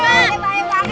banyak banget ya